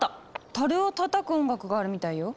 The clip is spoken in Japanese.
たるをたたく音楽があるみたいよ。